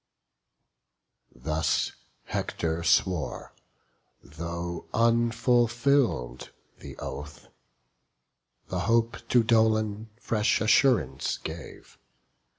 Thus Hector swore; though unfulfill'd the oath. The hope to Dolon fresh assurance gave.